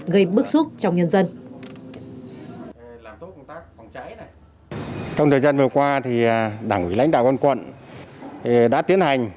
gây bức xúc trong nhân dân